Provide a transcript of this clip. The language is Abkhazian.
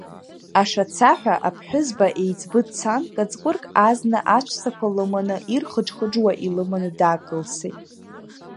Ашацаҳәа аԥҳәызба еиҵбы дыцан каҵкәырк азна аҵәцақәа лыманы, ирхыџ-хыџуа илыманы даакылсит.